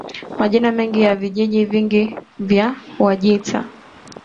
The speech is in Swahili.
Majina mengi ya vijiji vingi vya Wajita